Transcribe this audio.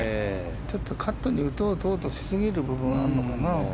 カットに打とうとしすぎる部分があるのかな。